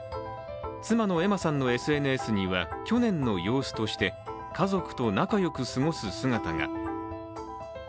妻のエマさんのＳＮＳには去年の様子として、家族と仲良く過ごす姿が。